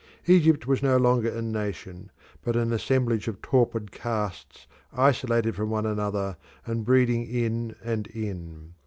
Egypt was no longer a nation, but an assemblage of torpid castes isolated from one another and breeding in and in.